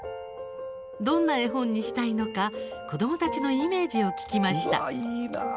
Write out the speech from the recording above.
どんな絵本にしたいのか子どもたちのイメージを聞きました。